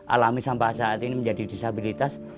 alami sampai saat ini menjadi disabilitas